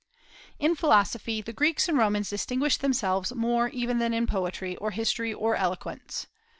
In philosophy the Greeks and Romans distinguished themselves more even than in poetry, or history, or eloquence.